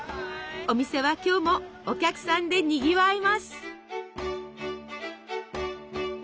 お店は今日もお客さんでにぎわいます。